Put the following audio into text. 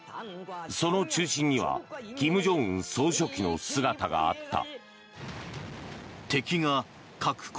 その中心には金正恩総書記の姿があった。